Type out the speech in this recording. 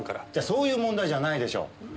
そういう問題じゃないでしょう！